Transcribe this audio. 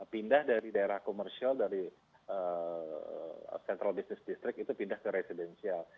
pindah dari daerah komersial dari central business district itu pindah ke residential